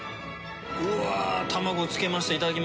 Δ錙卵つけました。